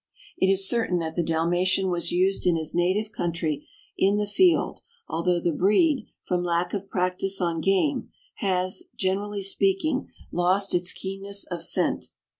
It is certain that the Dalmatian was used in his native country in the field, although the breed, from lack of practice on game, has, generally speaking, lost its keenness of scent.